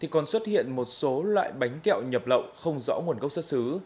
còn xuất hiện một số loại bánh kẹo nhập lậu không rõ nguồn gốc xuất xứ